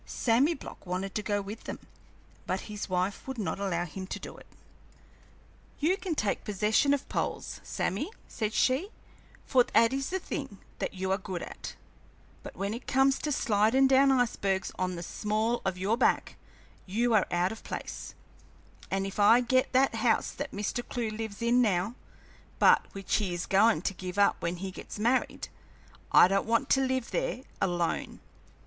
Sammy Block wanted to go with them, but his wife would not allow him to do it. "You can take possession of poles, Sammy," said she, "for that is the thing you are good at, but when it comes to slidin' down icebergs on the small of your back you are out of place; and if I get that house that Mr. Clewe lives in now, but which he is goin' to give up when he gets married, I don't want to live there alone.